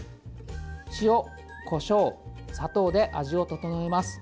塩、こしょう、砂糖で味を調えます。